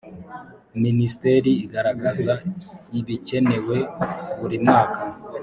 minisiteri igaragaza ibikenewe burimwaka .